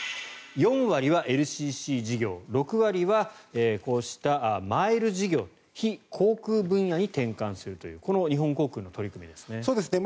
４割はＬＣＣ事業６割はこうしたマイル事業非航空分野に転換するというこの日本航空の取り組みですね。